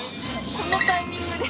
このタイミング